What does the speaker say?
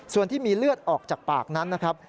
ส่วนที่มีเลือดออกจากปากนั้นนะครับ